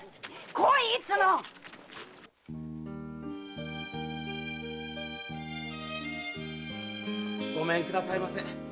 来いっ‼ごめんくださいませ。